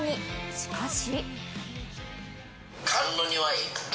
しかし。